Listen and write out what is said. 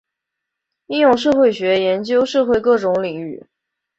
应用社会学研究社会各种领域。